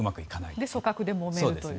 で、組閣でもめると。